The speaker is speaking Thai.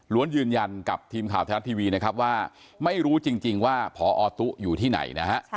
ล้วนยืนยันกับทีมข่าวทะลัดทีวีว่าไม่รู้จริงว่าพอตู้อยู่ที่ไหน